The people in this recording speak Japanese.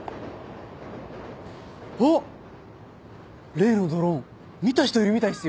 例のドローン見た人いるみたいっすよ。